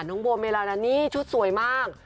น้องโบเมลาดานี่ชุดสวยมาก